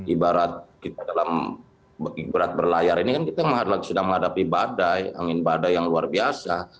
ibarat kita dalam berat berlayar ini kan kita sedang menghadapi badai angin badai yang luar biasa